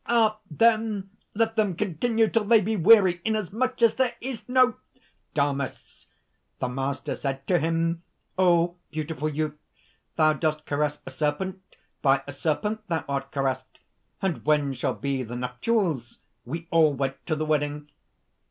Ah! then let them continue till they be weary, inasmuch as there is no ..." DAMIS. "The Master said to him: 'O beautiful youth, thou dost caress a serpent; by a serpent thou art caressed! And when shall be the nuptials?' We all went to the wedding."